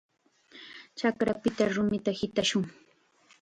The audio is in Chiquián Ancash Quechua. Chakrapita rumita hitashun.